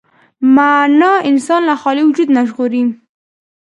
معنی انسان له خالي وجود نه ژغوري.